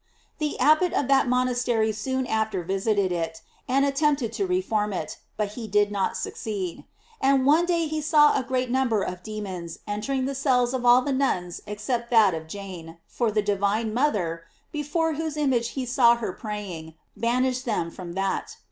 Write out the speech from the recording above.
The abbot of that monastery soon after visited it, and attempted to reform it, but he did * Pacciuch. in Sal. Ang. Esc. 4, No. 10k 684 GLORIES OF MAEY. not succeed ; and one day he saw a great nunv ber of demons entering the cells of all the nuni except that of Jane, for the divine mother, before whose image he saw her praying, banished them from that.